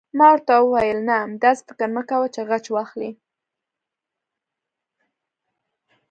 ما ورته وویل: نه، داسې فکر مه کوه چې غچ واخلې.